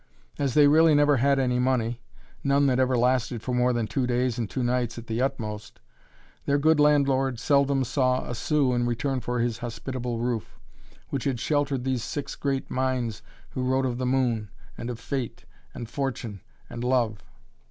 As they really never had any money none that ever lasted for more than two days and two nights at the utmost, their good landlord seldom saw a sou in return for his hospitable roof, which had sheltered these six great minds who wrote of the moon, and of fate, and fortune, and love.